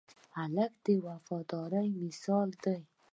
هلک د وفادارۍ مثال دی.